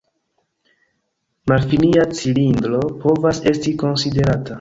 Malfinia cilindro povas esti konsiderata.